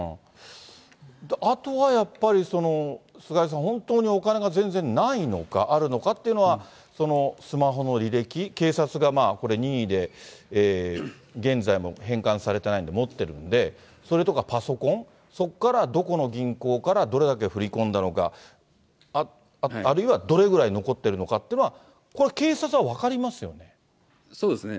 あとはやっぱり菅井さん、本当にお金が全然ないのか、あるのかっていうのは、そのスマホの履歴、警察がこれ、任意で現在も返還されてないので、持ってるんで、それとかパソコン、そこからどこの銀行から、どれだけ振り込んだのか、あるいはどれぐらい残っているのかっていうのは、これは警察は分そうですね。